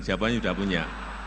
jawabannya sudah punya